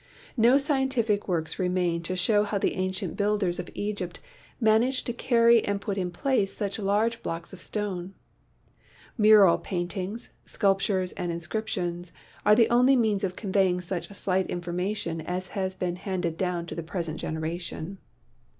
No AN ANALYSIS OF MATTER 3 scientific works remain to show how the ancient builders of Egypt managed to carry and put in place such large blocks of stone. Mural paintings, sculptures and inscrip tions are the only means of conveying such slight informa tion as has been handed down to the present generation.